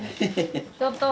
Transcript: ちょっと。